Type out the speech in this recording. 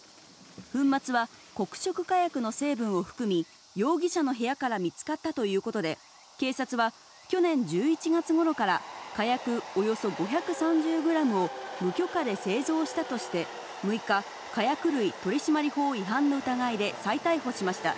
粉末は黒色火薬の成分を含み、容疑者の部屋から見つかったということで、警察は、去年１１月ごろから火薬およそ５３０グラムを無許可で製造したとして、６日、火薬類取締法違反の疑いで再逮捕しました。